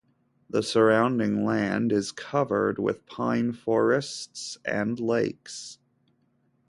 The surrounding land is covered with pine forests and lakes.